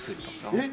えっ！